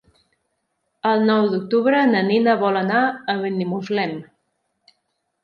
El nou d'octubre na Nina vol anar a Benimuslem.